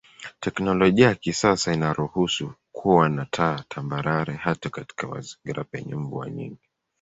Teknolojia ya kisasa inaruhusu kuwa na taa tambarare hata katika mazingira penye mvua nyingi.